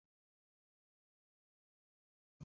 افغانستان کې د اوړي د پرمختګ هڅې روانې دي.